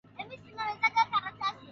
basi huenda akaadhirika pakubwa kisiasa